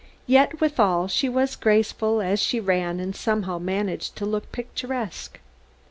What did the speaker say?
Yet, withal, she was graceful as she ran and somehow managed to look picturesque.